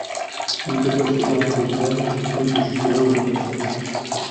Il peut être garni de crème, de fruits, de chocolat ou de glaçage.